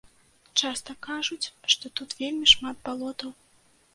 Часта кажуць, што тут вельмі шмат балотаў.